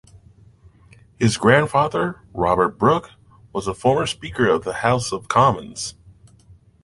His grandfather, Robert Brooke, was a former Speaker of the House of Commons.